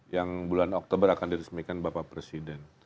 yang bulan oktober akan diresmikan bapak presiden